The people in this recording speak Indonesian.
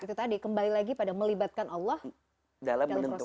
itu tadi kembali lagi pada melibatkan allah dan kelebihan dalam diri kita ya